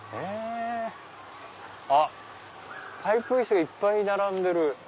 あっパイプ椅子がいっぱい並んでる。